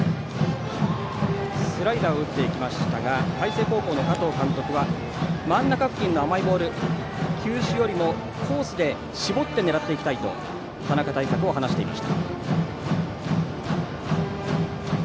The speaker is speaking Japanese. スライダーを打っていきましたが海星高校の加藤監督は真ん中付近の甘いボール球種よりもコースで絞って狙っていきたいと田中対策を話していました。